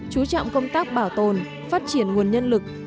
chú trọng công tác bảo tồn phát triển nguồn nhân lực